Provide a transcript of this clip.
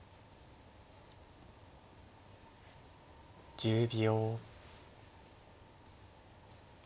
１０秒。